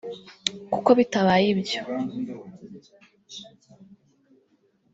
kuko bitabaye ibyo